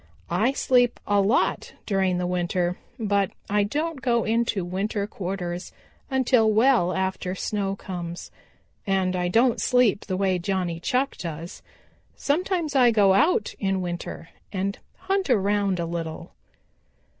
"I sleep a lot during the winter, but I don't go into winter quarters until well after snow comes, and I don't sleep the way Johnny Chuck does. Sometimes I go out in winter and hunt around a little."